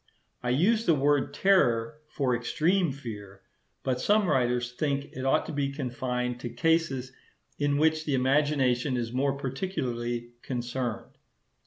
I use the word 'terror' for extreme fear; but some writers think it ought to be confined to cases in which the imagination is more particularly concerned.